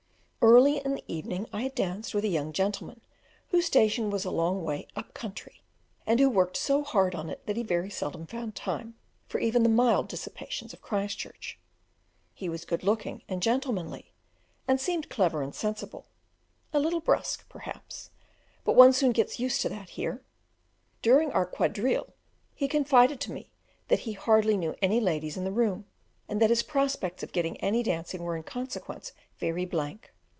Early in the evening I had danced with a young gentleman whose station was a long way "up country," and who worked so hard on it that he very seldom found time for even the mild dissipations of Christchurch; he was good looking and gentlemanly, and seemed clever and sensible, a little brusque, perhaps, but one soon gets used to that here. During our quadrille he confided to me that he hardly knew any ladies in the room, and that his prospects of getting any dancing were in consequence very blank.